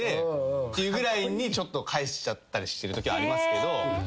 ていうぐらいに返しちゃったりしてるときありますけど。